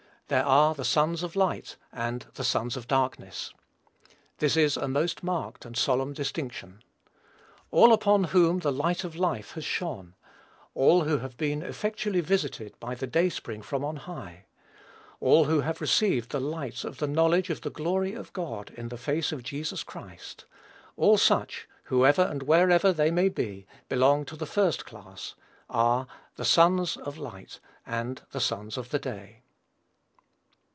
There are "the sons of light" and "the sons of darkness." This is a most marked and solemn distinction. All upon whom the light of Life has shone, all who have been effectually visited by the Day spring from on high, all who have received the light of the knowledge of the glory of God in the face of Jesus Christ, all such, whoever and wherever they may be, belong to the first class, are "the sons of light, and the sons of the day."